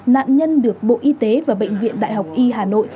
nạn nhân được bộ y tế và bệnh viện đại học y hà nội